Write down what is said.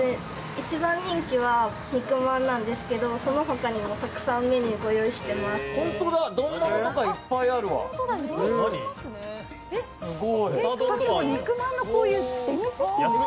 一番人気は肉まんなんですがその他にも、たくさんメニューご用意してます。